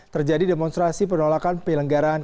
terjadi demonstrasi penolakan pelenggaran